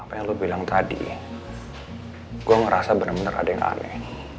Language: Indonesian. apa yang lo bilang tadi ya gue ngerasa bener bener ada yang aneh